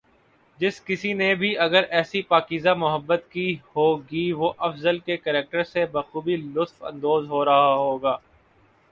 جس کسی نے بھی اگر ایسی پاکیزہ محبت کی ہوگی وہ افضل کے کریکٹر سے بخوبی لطف اندوز ہو رہا ہوگا